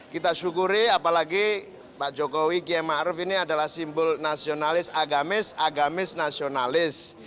kita syukuri apalagi pak jokowi km arif ini adalah simbol nasionalis agamis agamis nasionalis